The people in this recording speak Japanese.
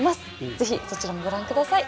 ぜひそちらもご覧下さい。